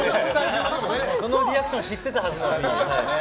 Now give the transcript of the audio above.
そのリアクション知っていたはずなのに。